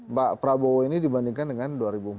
mbak prabowo ini dibandingkan dengan dua ribu empat belas